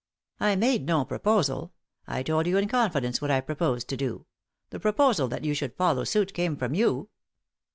"I made no proposal. I told you in confidence what I proposed to do ; the proposal that you should follow suit came from you."